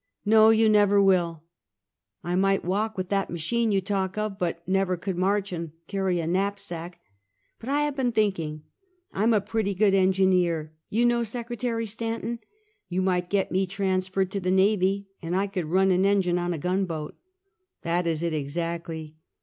" JSTo, you never wilL" "I might walk with that machine you talk of; but never could march and carry a knap sack! But I have been thinking. I am a pretty good engineer. You know Secretary Stanton? You might get me trans ferred to the Navy, and I could run an engine on a gunboat." " That is it, exactly!